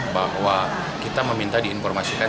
bahwa kita meminta diinformasikan